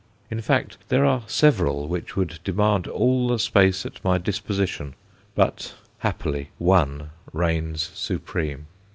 In fact, there are several which would demand all the space at my disposition, but, happily, one reigns supreme.